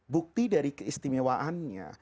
bukti dari keistimewaannya